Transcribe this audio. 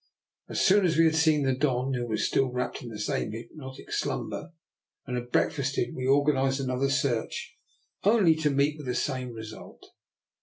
As soon as we had seen the Don, who was still wrapped in the same hypnotic slumber, and had breakfasted, we organized another search, only to meet with the same result.